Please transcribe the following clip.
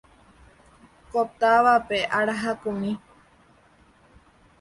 Ko távape ára hakumi.